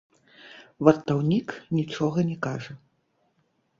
Вартаўнік нічога не кажа.